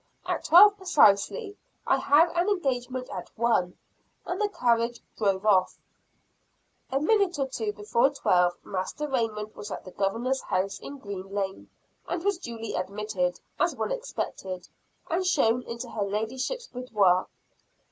"At twelve, precisely, I have an engagement at one;" and the carriage drove off. A minute or two before twelve, Master Raymond was at the Governor's house in Green lane; and was duly admitted, as one expected, and shown into her ladyship's boudoir.